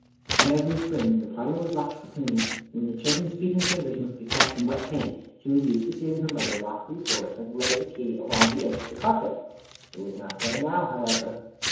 Every spring when the parlor was locked for cleaning and when children's feet and fingers must be kept from wet paint, she was used to see her mother lock these doors and lay the key along the edge of the carpet. It was not there now, however.